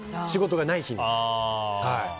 仕事がない日に。